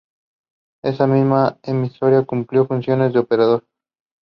He later practised and taught medicine there.